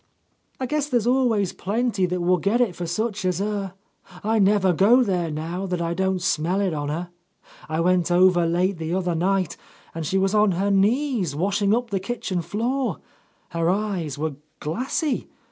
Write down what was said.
"I guess there's always plenty that will get it for such as her. I never go there now that I don't smell it on her. I went over late the other night, and she was on her knees, washing up the kitchen floor. Her eyes were glassy.